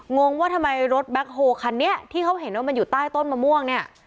งงว่าทำไมรถแบ็คโฮคันนี้ที่เขาเห็นว่ามันอยู่ใต้ต้นมะม่วงเนี่ย